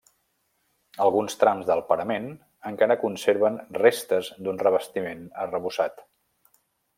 Alguns trams del parament encara conserven restes d'un revestiment arrebossat.